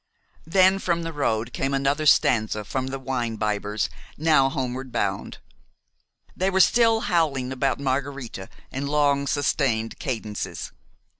Then from the road came another stanza from the wine bibbers, now homeward bound. They were still howling about Margharita in long sustained cadences.